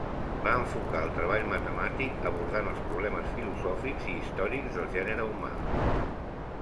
Va enfocar el treball matemàtic abordant els problemes filosòfics i històrics del gènere humà.